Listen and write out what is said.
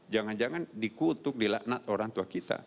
jangan jangan dikutuk di laknat orang tua kita